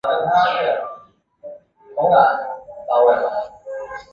东京鳞毛蕨为鳞毛蕨科鳞毛蕨属下的一个种。